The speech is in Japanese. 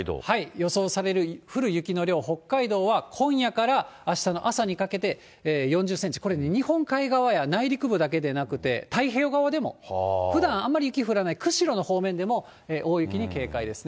予想される降る雪の量、北海道は今夜からあしたの朝にかけて４０センチ、これ、日本海側や内陸部だけでなくて、太平洋側でも、ふだんあまり雪が降らない釧路の方面でも大雪に警戒ですね。